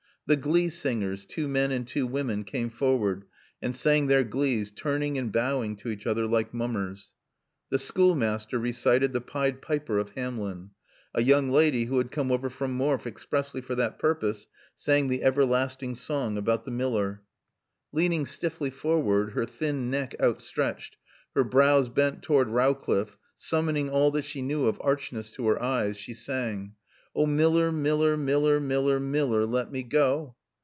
The glee singers, two men and two women, came forward and sang their glees, turning and bowing to each other like mummers. The schoolmaster recited the "Pied Piper of Hamelin." A young lady who had come over from Morfe expressly for that purpose sang the everlasting song about the miller. Leaning stiffly forward, her thin neck outstretched, her brows bent toward Rowcliffe, summoning all that she knew of archness to her eyes, she sang. "Oh miller, miller, miller, miller, miller, let me go!"